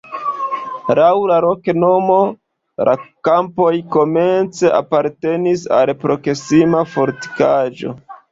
Laŭ la loknomo la kampoj komence apartenis al proksima fortikaĵo.